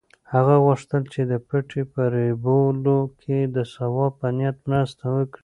هغه غوښتل چې د پټي په رېبلو کې د ثواب په نیت مرسته وکړي.